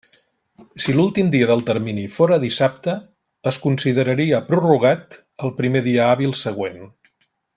Si l'últim dia del termini fóra dissabte, es consideraria prorrogat al primer dia hàbil següent.